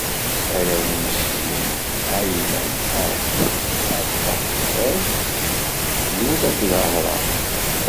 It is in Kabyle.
Arraw n Cim: Ɛiylam, Acur, Arfaxcad, Lud akked Aram.